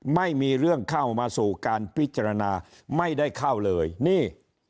ไม่มีเรื่องเข้ามาสู่การพิจารณาไม่ได้เข้าเลยนี่